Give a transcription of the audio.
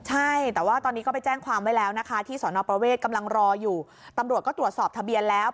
ใช่แต่ว่าตอนนี้ก็ไปแจ้งความไว้แล้วนะคะที่สอนอประเวทกำลังรออยู่ตำรวจก็ตรวจสอบทะเบียนแล้ว